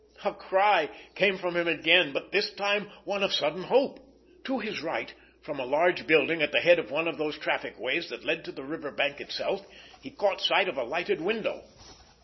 A cry came from him again, but this time one of sudden hope. To his right, from a large building at the head of one of those trafficways that led to the river bank itself, he caught sight of a lighted window.